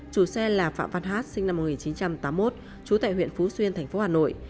chủ xe là phạm văn hát sinh năm một nghìn chín trăm tám mươi một trú tại huyện phú xuyên thành phố hà nội